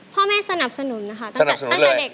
พ่อแม่สนับสนุนนะคะ